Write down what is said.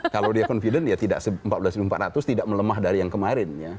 kalau dia confident ya tidak empat belas empat ratus tidak melemah dari yang kemarin